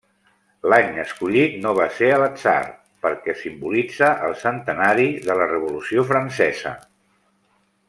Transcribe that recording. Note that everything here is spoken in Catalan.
L'any escollit no va ser l'atzar, perquè simbolitza el centenari de la Revolució Francesa.